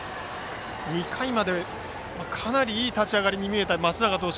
２回まで、かなりいい立ち上がりに見えた松永投手